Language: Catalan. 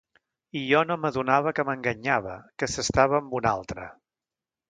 I jo no m'adonava que m'enganyava, que s'estava amb una altra...